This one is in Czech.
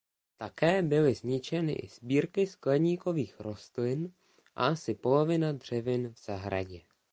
Také byly zničeny i sbírky skleníkových rostlin a asi polovina dřevin v zahradě.